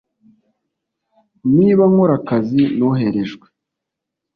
niba nkora akazi noherejwe.